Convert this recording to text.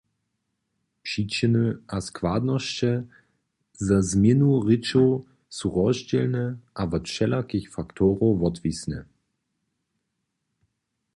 Přičiny a składnosće za změnu rěčow su rozdźělne a wot wšelakich faktorow wotwisne.